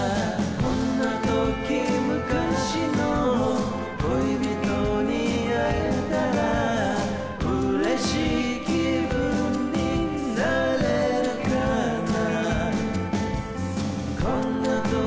「こんな時昔の友達に会えたらたのしい気分になれるかな」